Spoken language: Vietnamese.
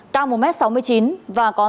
cao một m sáu mươi chín và có sạch